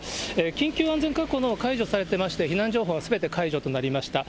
緊急安全確保のほう、解除されていまして、避難情報はすべて解除となりました。